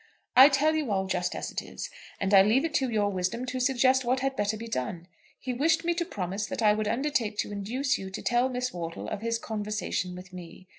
"I tell you all just as it is, and I leave it to your wisdom to suggest what had better be done. He wished me to promise that I would undertake to induce you to tell Miss Wortle of his conversation with me.